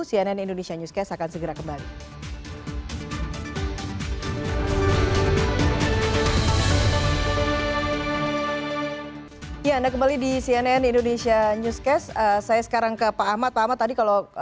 cnn indonesia newscast akan segera kembali